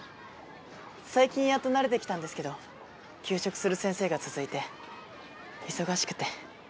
最近やっと慣れてきたんですけど休職する先生が続いて忙しくて。